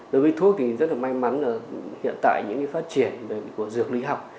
đối với thuốc thì rất là may mắn là hiện tại những phát triển của dược lý học